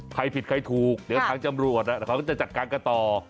ผิดใครถูกเดี๋ยวทางจำรวจเขาก็จะจัดการกันต่อ